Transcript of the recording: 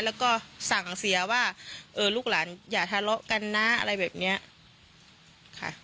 แล้วก็สั่งเสียว่าเออลูกหลานอย่าทะเลาะกันนะอะไรแบบเนี้ยค่ะ